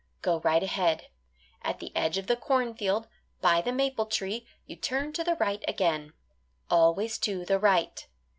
Go right ahead. At the edge of the cornfield, by the maple tree, you turn to the right again always to the right.